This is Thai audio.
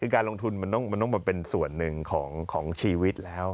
การลงทุนมันต้องมาเป็นส่วนหนึ่งของชีวิตแล้ว